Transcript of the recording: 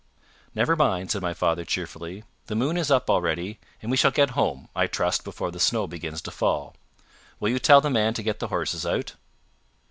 "Never mind," said my father cheerfully. "The moon is up already, and we shall get home I trust before the snow begins to fall. Will you tell the man to get the horses out?"